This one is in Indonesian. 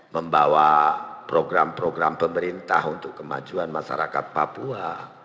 membawa program program pemerintah untuk kemajuan masyarakat papua